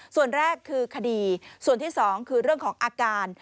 ส่วนแรกคือคดีส่วนที่๒คือเรื่องของอาการ